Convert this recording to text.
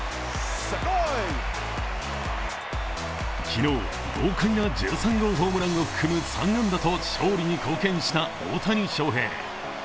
昨日、豪快な１３号ホームランを含む３安打と勝利に貢献した大谷翔平。